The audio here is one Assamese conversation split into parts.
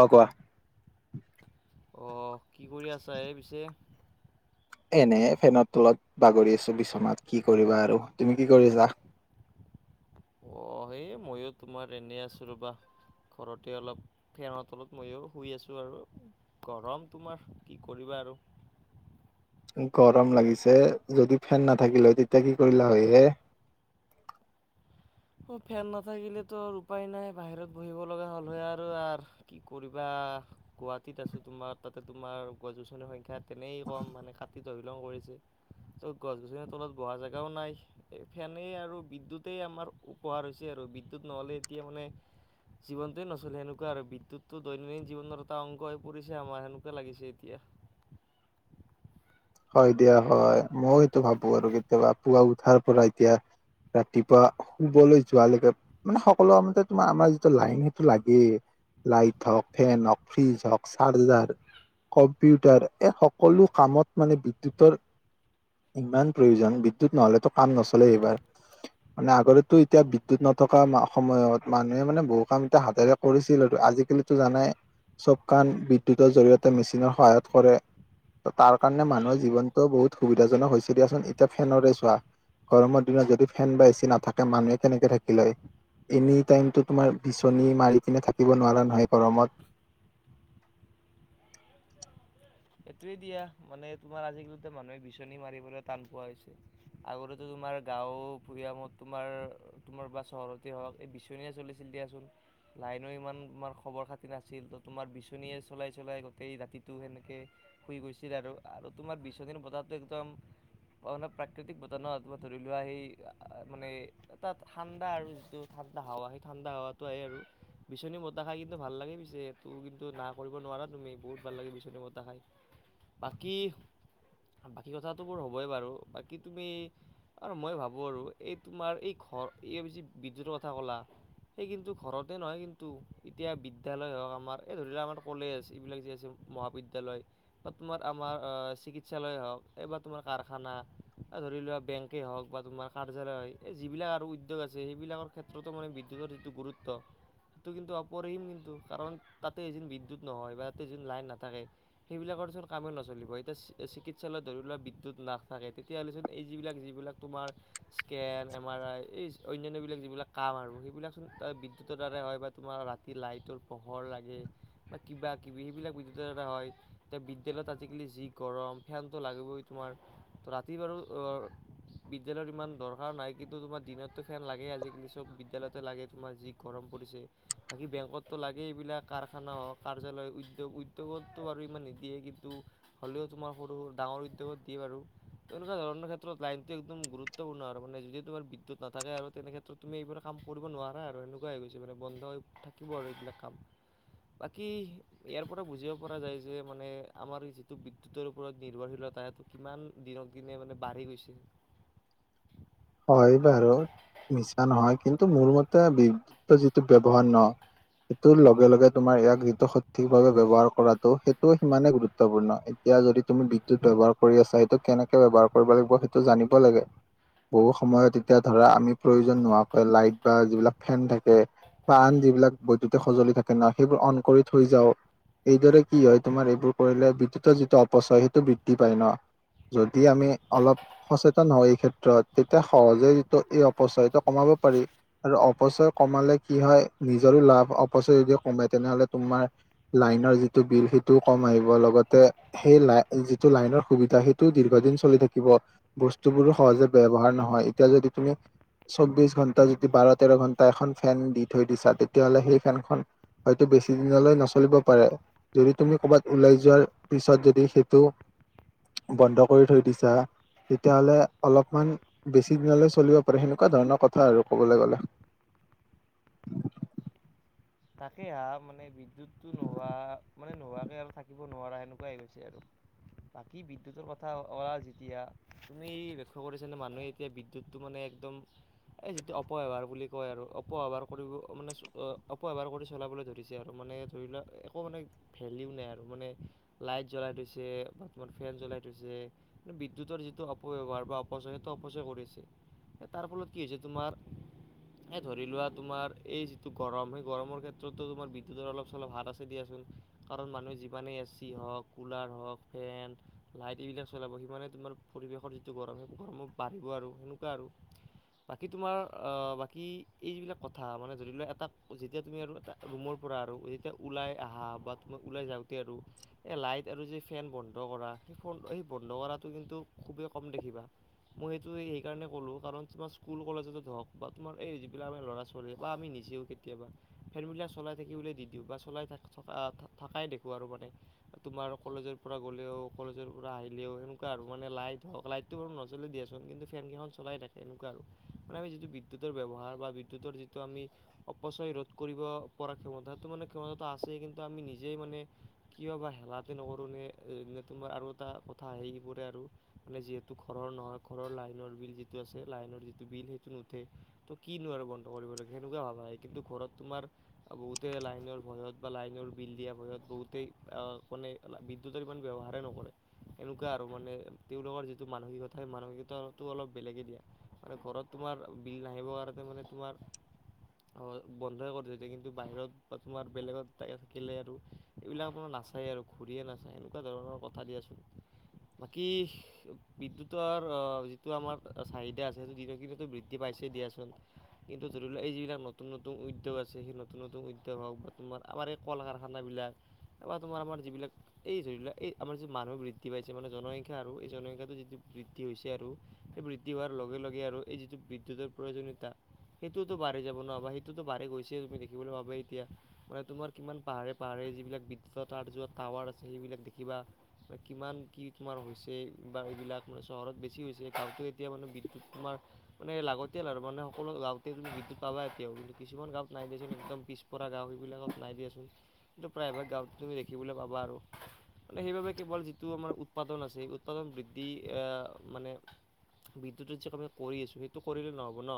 অ কোৱা? অ কি কৰি আছা এই পিছে? এনে ফেনৰ তলত বাগৰি আছো বিচনাত কি কৰিবা আৰু তুমি কি কৰিছা? অ সেই ময়ো তোমাৰ এনেই আছো ৰবা! ঘৰতে অলপ ফেনৰ তলত মইয়ো শুই আছো আৰু গৰম তোমাৰ কি কৰিবা? আৰু গৰম লাগিছে? যদি ফেন নাথাকিলে হয় তেতিয়া কি কৰিলা হয় এ? [inaudible] অ ফেন নাথাকিলেতো উপায় নাই, বাহিৰত বহিব লগা হ'লহে আৰু কি কৰিবা? আ গুৱাহাটীত আছো তোমাৰ, তাতে তোমাৰ গছ-গছনিৰ সংখ্যা তেনেই কম। মানে কাটি ধ তং কৰিছে। ত গছ - গছনিৰ তলত বহা জেগাও নাই, ফেনে আৰু বিদ্যুতে আমাৰ উপহাৰ হৈছে আৰু বিদ্যুৎ নহ'লে এতিয়া মানে জীৱনটোৱে নচললে সেনেকুৱা আৰু বিদ্যুতটো‍ দৈনন্দিন জীৱনৰ এটা অংগ হৈ পৰিছে আমাৰ সেনেকুৱা লাগিছে এতিয়া। [inaudible] হয় দিয়া হয়, মই এইটো ভাবো আৰু কেতিয়াবা পুৱা উঠাৰ পৰা এতিয়া। ৰাতিপুৱা শুবলৈ যোৱালৈকে মানে সকলো মতে তোমাৰ আমাৰ যিটো লাইন সেইটো লাগেই। লাইট হওক, ফেন হওক, ফ্ৰিজ হওক, চাৰ্জাৰ কম্পিউটাৰ এ সকলো কামত মানে বিদ্যুতৰ ইমান প্ৰয়োজন বিদ্যুত নহলেতো কাম নচলে এইবাৰ। মানে আগতেটো এতিয়া বিদ্যুত নথকা সময়ত মানুহে মানে বহু কাম এতিয়া হাতেৰে কৰিছিল। আজিকালিতো জানাই চব কাম বিদ্যুতৰ জৰিয়তে মেচিনৰ সহায়ত কৰে। ত তাৰ কাৰণে মানুহৰ জীৱনটো বহুত সুবিধাজনক হৈছে দিয়াচোন এতিয়া ফেনৰে চোৱা। গৰমৰ দিনত যদি ফেন বা এচি নাথাকে মানুহে কেনেকে থাকিলে হয়? এনি টাইমটো তোমাৰ বিচনী মাৰি কিনে থাকিব নোৱাৰা নহয় গৰমত। [unintelligible] এইটোৱে দিয়া মানে তোমাৰ আজিকালিতে মানুহে বিচনী মাৰিবলৈ টান পোৱা হৈছে। আগতেটো তোমাৰ গাওঁ ভূঞামত তোমাৰ তোমাৰ বা চহৰতে হওক এই বিচনীয়া চলিছিল। দিয়াচোন। লাইনো ইমান তোমাৰ খবৰ - খাতি নাছিল ত তোমাৰ বিচনীয়ে চলাই - চলাই গোটেই ৰাতিটো সেনেকে শুই গৈছিল আৰু আৰু তোমাৰ বিচনিৰ বতাহটো একদম মই মানে প্ৰাকৃতিক বতনত বা ধৰি লোৱা সেই মানে তাত ঠাণ্ডা আৰু যিটো হাৱা সেই ঠাণ্ডা হাৱাটো আহে আৰু। বিচনী বতাহ খাই কিন্তু ভাল লাগে, পিছে ত কিন্তু না কৰিব নোৱাৰা তুমি বহুত ভাল লাগে বিচনী বতাহ খাই। বাকী বাকী কথাটোবোৰ হ'বই বাৰু, বাকী তুমি আৰু মই ভাবো আৰু এই তোমাৰ এই ঘৰ এই বেছি বিদ্যুতৰ কথা ক'লা সে কিন্তু ঘৰতে নহয় কিন্তু এতিয়া বিদ্যালয় হওক আমাৰ এই ধৰি লোৱা আমাৰ কলেজ এইবিলাক যে আছে মহাবিদ্যালয় বা তোমাৰ আমাৰ চিকিৎসালয় হওক, এইবাৰ তোমাৰ কাৰখানা এ ধৰি লোৱা বেংকে হওক বা তোমাৰ কাৰ্যালয় এই যিবিলাক আৰু উদ্যোগ আছে সেইবিলাকৰ ক্ষেত্ৰতো মানে বিদ্যুৎ যিটো গুৰুত্ব সেইটো কিন্তু অপৰেম কিন্তু কাৰণ তাতে এদিন বিদ্যুত নহয় বা ত যদি লাইন নাথাকে। সেইবিলাকৰচোন কামেই নচলিব এতিয়া চিকিৎসালয়ত ধৰি লোৱা বিদ্যুৎ নাথাকে তেতিয়া হ'লেচোন এই যিবিলাক যিবিলাক তাত তোমাৰ স্কেল, এম আৰ আই এই অনান্য যিবিলাক কাম আৰু এইবিলাকচোন আ বিদ্যুৎৰ তাতে হয় বা তোমাৰ ৰাতি লাইটৰ পোহৰ লাগে বা কিবা - কিবি সেইবিলাক বিদ্যুৎৰ দ্বাৰা হয়। এতিয়া বিদ্যালয়ত আজি-কালি যি গৰম। ফেনটো লাগিবই তোমাৰ। ৰাতি বাৰু বিদ্যালয়ৰ ইমান দৰকাৰ নাই কিন্তু তোমাক দিনতটো ফেন লাগে আজিকালি চব বিদ্যালয়তে লাগে, তোমাৰ যি গৰম কৰিছে। বাকী বেংকতো লাগে এইবিলাক কাৰখানা হওক কাৰ্যালয় উদ্যোগ, উদ্যোগতো আৰু ইমান দিয়ে কিন্তু হ'লেও তোমাৰ সৰু ডাঙৰ উদ্যোগত দিয়ে বাৰু তেনেকোৱা ধৰণৰ ক্ষেত্ৰত লাইনটো একদম, গুৰুত্বপূৰ্ণ আৰু যদি তোমাৰ বিদ্যুত নাথাকে আৰু তেনেক্ষেত্ৰত তুমি এইবোৰ কাম কৰিব নোৱাৰা আৰু এনেকোৱা হৈ গৈছে মানে। বন্ধ হৈ থাকিব আৰু এইবিলাক কাম। বাকী ইয়াৰ পৰা বুজিব পৰা যায় যে মানে আমাৰ যিটো বিদ্যুতৰ ওপৰত নিৰ্ভৰশীলতাটো কিমান দিনক দিনে মানে বাঢ়ি গৈছে। [inaudible] হয় বাৰু মিছা নহয় কিন্তু, মোৰ মতে বিদ্যুতৰ যিটো ব্যৱহাৰ ন সেইটোৰ লগে লগে তোমাৰ ইয়াক যিটো সঠিকভাৱে ব্যৱহাৰ কৰাটো সেইটোও সিমানে গুৰুত্বপূৰ্ণ। এতিয়া যদি তুমি বিদ্যুত ব্যৱহাৰ কৰি আছা সেইটো কেনেকে ব্যৱহাৰ কৰিব লাগিব সেইটো জানিব লাগে। অ [inaudible] বহু সময়ত এতিয়া ধৰা আমি প্ৰয়োজন নোহোৱাকৈ লাইট বা যিবিলাক ফেন থাকে পাণ যিবিলাক বৈদ্যুতিক সজুলি থাকে ন সেইবোৰ অন কৰি থৈ যাওঁ। এইদৰে কি হয় তোমাৰ এইবোৰ কৰিলে বিদ্যুতৰ যিটো অপচয় সেইটো বৃদ্ধি পায় ন। যদি আমি অলপ সচেতন হওঁ এই ক্ষেত্ৰত তেতিয়া সহজে যিটো এই অপচয়টো কমাব পাৰি। আৰু অপচয় কমালে কি হয় নিজৰো লাভ অপচয় যদি কমে তেনেহলে তোমাৰ লাভ। লাইনৰ যিটো বিল সেইটো কম আহিব লগতে, সেই লাই যিটো লাইনৰ সুবিধা সেইটো দি [unintelligible] থাকিব বস্তুবোৰো সহজে ব্যয়ৱহাৰ নহয় এতিয়া যদি তুমি চৌবিশ ঘণ্টা যদি বাৰ তেৰ ঘণ্টা এখন ফেন দি থৈ দিছা তেতিয়াহ'লে সেই ফেনখন হয়তো বেছি দিনলৈ নচলিব পাৰে, যদি তুমি কৰ'বাত ওলাই যোৱাৰ পিছত যদি সেইটো বন্ধ কৰি থৈ দিছা তেতিয়াহলে অলপ অমান বেছি দিনলৈ চলিব পাৰে সেনেকোৱা ধৰণৰ কথা আৰু কবলৈ গলে তাকে হা মানে বিদ্যুতটো নোহোৱা মানে নোহোৱাকে আৰু থাকিব নোৱাৰা সেনেকোৱা হৈ গৈছে আৰু। বাকী বিদ্যুতৰ কথা অ যেতিয়া তুমি লক্ষ্য কৰিছানে মানুহে এতিয়া বিদ্যুটো মানে একদম এই যিটো অপহেৱাৰ বুলি কয় আৰু অপসৱাৰ কৰিব মানে এবাৰ কৰি চলাবলৈ ধৰিছে আৰু মানে ধৰি লোৱা একো মানে ভেলিউ নাই আৰু মানে লাইট জ্বলাই থৈছে ফেন জ্বলাই থৈছে বিদ্যুতৰ যিটো অপব্যৱহাৰ বা অপচয় সেইটো অপচয় কৰিছে তাৰ ফলত কি হৈছে তোমাৰ এ ধৰি লোৱা তোমাৰ এই যিটো গৰম গৰমৰ ক্ষেত্ৰততো তোমাৰ বিদ্যুতৰ অলপ চলপ হাত আছে দিয়াচোন। কাৰণ মানুহে যিমানে এ চি হওক কুলাৰ হক ফেন লাইট এইবিলাক চলাব সিমানে তোমাৰ পৰিৱেশৰ যিটো গৰম সেই গৰম বাঢ়িব আৰু তেনেকোৱা আৰু বাকী তোমাৰ বাকী এই যিবিলাক কথা মানে ধৰি লোৱা এটা যেতিয়া তুমি আৰু এটা ৰুমৰ পৰা আৰু যেতিয়া ওলাই আহা বা তোমাৰ ওলাই যাওঁতে আৰু এ লাইট যদি ফেন বন্ধ কৰা সেই বন্ধ কৰাটো কিন্তু খুবেই কম দেখিবা মই সেইটো সেইকাৰণে ক'লো। কাৰণ তোমাৰ স্কুল-কলেজ হওক বা তোমাৰ এই যিবিলাক আম ল'ৰা ছোৱালী বা আমি নিজেও কেতিয়াবা ফেন বিলাক চলাই থাকিবলৈ দি দিওঁ বা চলাই থকাই দেখো আৰু মানে কলেজৰ পৰা গ'লেও কলেজৰ পৰা আহিলেও এনেকুৱা আৰু মানে লাইট হওক লাইটটো বাৰু নজ্বলে দিয়াচোন কিন্তু ফেন কেইখন চলাই থাকে এনেকোৱা আৰু। শ মানে আমি যিটো বিদ্যুতৰ ব্যৱহাৰ বা বিদ্যুতৰ যিটো আমি অপচয় ৰোধ কৰিব পৰা ক্ষমতাটো মানে ক্ষমতাটো আছেই কিন্তু আমি নিজেই মানে কিয় বা স নকৰো নে তোমাৰ আৰু এটা কথা হে পৰে আৰু মানে যিহেতু ঘৰৰ নহয় ঘৰ লাইনৰ বিল যিটো আছে লাইনৰ যিটো বিল সেইটো নুঠে ত' কিনো ৱাৰো বন্ধ কৰিবে সেনেকোৱা ভাব হয় কিন্তু ঘৰত তোমাৰ বহুতেই লাইনৰ ভয়ত বা লাইনৰ বিল দিয়া ভয়ত বহুতেই বিদ্যুতৰ ইমান ব্যৱহাৰেই নকৰে। এনেকোৱা আৰু মানে তেওঁলোকৰ যিটো মানসিকতা সেই মানসিকতাটো অলপ বেলেগে দিয়া মানে ঘৰত। তোমাৰ বিল নাহিবৰ কাৰণে মানে তোমাৰ, অ বন্ধই কৰি থয়, কিন্তু বাহিৰত বা তোমাৰ বেলেগত থাকিলে আৰু এইবিলাক আৰু নাচায়। আৰু ঘূৰিয়ে নাচায় এনেকোৱা ধৰণৰ কথা দিয়াচোন। বাকী বিদ্যুতৰ অ যিটো আমাৰ চাহিদা আছে সেইটো দিন কিনতো বৃদ্ধি পাই দিয়াচোন কিন্তু ধৰি লোৱা এই যিবিলাক নতুন নতুন উদ্যোগ আছে সেই নতুন নতুন উদ্যোগ হওক বা তোমাৰ আমাৰ এই কল কাৰখানাবিলাক বা তোমাৰ আমাৰ যিবিলাক এই যিবিলাক এই আমাৰ যি মানুহে বৃদ্ধি পাইছে মানে জনসংখ্যা আৰু এই জনসংখ্যাটো যিটো বৃদ্ধি হৈছে আৰু বৃদ্ধি হোৱাৰ লগে লগে আৰু এই যিটো বিদ্যুতৰ প্ৰয়োজনীয়তা সেইটোতো বাঢ়ি যাব ন সেইটোতো বাঢ়ি গৈছে তুমি দেখিবলৈ পাব এতিয়া মানে তোমাৰ কিমান পাহাৰে পাহাৰে যিবিলাক বিদ্যুতৰ তাঁৰ টাৱাৰ আছে সেইবিলাক দেখিবা কিমান কি তোমাৰ হৈছে বা এইবিলাক চহৰত বেছি কি হৈছে গাঁৱ এতিয়া মানে বিদ্যুত তোমাৰ মানে লাগতিয়াল আৰু মানে সকলো গাঁৱতে তুমি বিদ্যুত পাবা। কিছুমান গাঁৱত নাই দিয়ান একদম পিছপৰা গাঁও সেই বিলাকত নাই দিয়াচোন কিন্তু প্ৰায়ভাগ গাঁৱত তুমি দেখিবা দেখিবলে পাবা আৰু মানে সেইবাবে কেৱল যিটো আমাৰ উৎপাদন আছে উৎপাদন বৃদ্ধি আহ মানে বিদ্যুতৰ যি কমি কৰি আছো সেইটো কৰিলে নহ'ব ন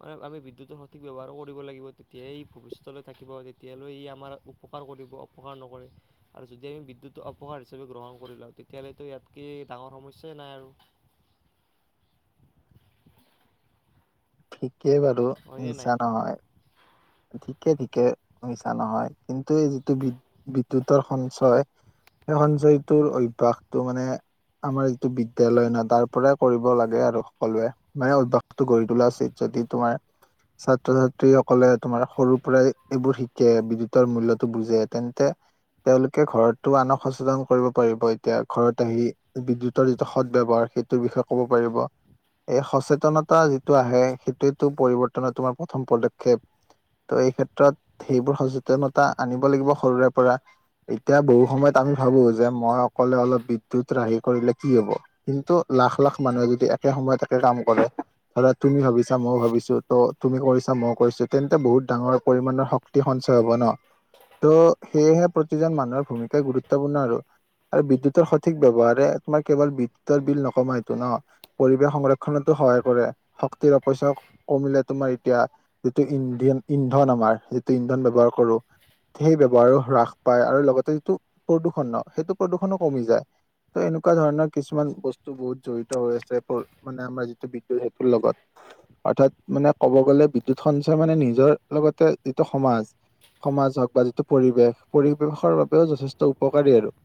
মানে আমি বিদ্যুতৰ ব্যৱহাৰ কৰিব লাগিব তেতিয়াই ই ভৱিষ্যলৈ থাকিব তেতিয়ালৈ ই আমাৰ উপকাৰ কৰিব অপকাৰ নকৰে আৰু যদি আমি বিদ্যুত উপহাৰ হিচাপে গ্ৰহণ কৰি লওঁ তেতিয়াহ'লেতো ইয়াতকৈ ডাঙৰ সমস্যাই নাই আৰু [inaudible] ঠিকেই বাৰু হয়নে নাই মিছা নহয় ঠিকে ঠিকে মিছা নহয় কিন্তু এই যিটো বি বিদ্যুতৰ সঞ্চয় সেই সঞ্চয়টোৰ অভ্যাসটো মানে আমাৰ যিটো বিদ্যালয় ন তাৰ পৰাই কৰিব লাগে আৰু সকলোৱে মানে অভ্যাসটো গঢ়ি তোলা উচিত যদি তোমাৰ ছাত্ৰ ছাত্ৰীসকলে তোমাৰ সৰুৰ পৰাই এইবোৰ শিকে বিদ্যুতৰ মূল্যটো বুজে তেন্তে তেওঁলোকে ঘৰতো আনক সচেতন কৰিব পাৰিব এতিয়া ঘৰত আহি বিদ্যুতৰ যিটো সদব্যৱহাৰ সেইটোৰ বিষয়ে ক'ব পাৰিব এই সচেতনতা যিটো আহে সেইটোৱেটো পৰিৱৰ্তনৰ তোমাৰ প্ৰথম পদক্ষেপ ত' এই ক্ষেত্ৰত সেইবোৰ সচেতনতা আনিব লাগিব সৰুৰে পৰা এতিয়া বহু সময়ত আমি ভাবো যে মই অকলে অলপ বিদ্যুত ৰাহি কৰিলে কি হব কিন্তু লাখ লাখ মানুহে যদি একে সময়তে তাকে কাম কৰে ধৰা তুমি ভাবিছা ময়ো ভাবিছো ত তুমি কৰিছা মই কৰিছো তেন্তে বহুত ডাঙৰ পৰিমানৰ শক্তি সঞ্চয় হব ন ত' সেয়েহে প্ৰতিজন মানুহৰ ভূমিকাই গুৰুত্বপূৰ্ণ আৰু আৰু বিদ্যুতৰ সঠিক ব্যৱহাৰে তোমাৰ কেৱল বিদ্যুতৰ বিল নকমাই এইটো ন পৰিৱেশ সংৰক্ষণতো সহায় কৰে শক্তিৰ অপইচা কমিলে তোমাৰ এতিয়া যিটো ইন্ধন ইন্ধন আমাৰ যিটো ইন্ধন ব্যৱহাৰ কৰো সেই ব্যৱহাৰো হ্ৰাস পায় আৰু লগতে যিটো প্ৰদূৰ্ষণ সেইটো প্ৰদূৰণো কমি যায় ত এনেকুৱা ধৰণৰ কিছুমান বস্তু বহুত জড়িত হৈ আছে মানে আমাৰ যিটো বিদ্যুৎ সেইটোৰ লগত অৰ্থাৎ মানে ক'ব গ'লে বিদ্যুতখন মানে নিজৰ লগতে যিটো সমাজ, সমাজ হক বা যিটো পৰিৱেশ পৰিৱেশৰ বাবেও যথেষ্ট উপকাৰী আৰু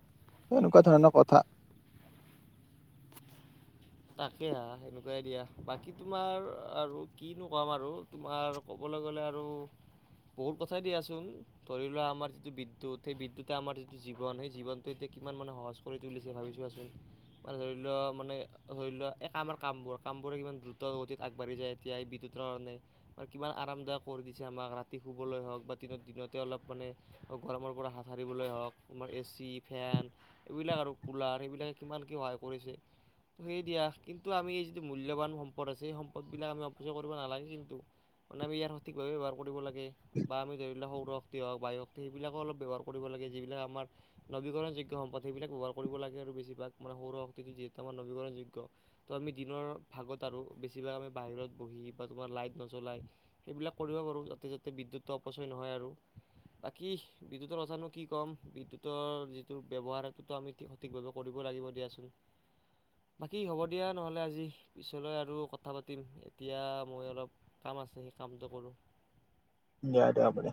এনেকুৱা ধৰণৰ কথা [inaudible] তাকে হা সেনেকুৱাই দিয়া বাকী তোমাৰ আৰু কিনো কাম আৰু তোমাৰ ক'ব ক'ব গ'লে আৰু বহুত কথাই দিয়াচোন ধৰি লোৱা আমাৰ যিটো বিদ্যুত সেই বিদ্যুতে আমাৰ যিটো জীৱন সেই জীৱনটো এতি কিমান মানে সহজ কৰি তুলিছে ভাবিছোঁ চোৱাচোন, মানে ধৰি লও মানে ধৰি লোৱা এই কামৰ কামবোৰ কামবোৰে কিমান দ্ৰুত গতিত আগবাঢ়ি যায় এতিয়া বিদ্যুতৰ কাৰণে কিমান আৰামদায়ক কৰি দিছে আমাক ৰাতি শুবলৈ হওক বা দিনত দিনতে অলপ মানে গৰমৰ পৰা হাত সাৰিবলৈ হওক তোমাৰ এ চি, ফেন এইবিলাক আৰু কুলাৰ এইবিলাকে কিমান কি সহায় কৰিছে ত সেই দিয়া কিন্তু আমি এই যিটো মূল্যযবান সম্পদ আছে সেই সম্পদ বিলাক আমি অপচয় কৰিব নালাগে কিন্তু মানে আমি ইয়াৰ সঠিকভাৱ ব্যৱহাৰ কৰিব লাগে বা আমি ধৰি লও সৌৰ শক্তি হওক বায়ুক্তি সেই বিলাকো অলপ ব্যৱহাৰ কৰিব লাগে যিলাক আমাৰ নবীকৰণ যোগ্য সম্পদ সেই বিলাক ব্যৱহাৰ কৰিব লাগে আৰু বেছিভাগ মানে সৌৰ শক্তিটো যিহেত আমাৰ ‌নবি কৰণ যোগ্য ত আমি দিনৰ ভাগত আৰু বেছিভাগ আমি বাহিৰত বহি বা তোমাৰ লাইট নজলাই সেইবিলাক কৰিব পাৰোঁ যাতে যাতে বিদ্যুত অপচয় নহয় আৰু বাকী বিদ্যুতৰ কথানো কি ক'ম বিদ্যুতৰ যিটো ব্যৱহাৰ সেইটোতো আমি সঠিকভাৱে কৰিব লাগিব দিয়াচোন বাকী হ'ব দিয়া নহ'লে আজি পিছলৈ আৰু কথা পাতিম এতিয়া মই অলপ কাম আছে। ছে সেই কামটো কৰোঁ। দিয়া দিয়া হ'ব দে।